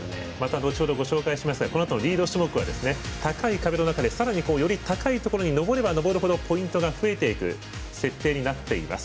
後ほどご紹介しますがこのあとのリード種目は高い壁の中で、さらにより高いところに登れば登る程ポイントが増えていく設定になっています。